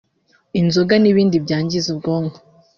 inzoga n’ibindi byangiza ubwonko